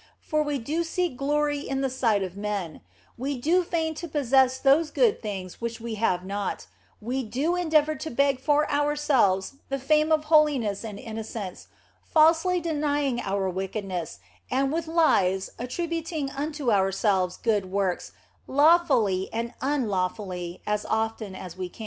For we do seek glory in the sight of men ; we do feign to possess those good things which we have not ; we do endeavour to beg for ourselves the fame of holiness and innocence, falsely denying our wickedness, and with lies attributing unto ourselves good works, lawfully and unlawfully, as often as we can.